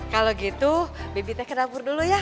kalau gitu bibi teh ke dapur dulu ya